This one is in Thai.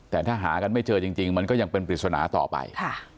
แต่ถ้าหากันไม่เจอจริงมันก็ยังเป็นปริศนาต่อไป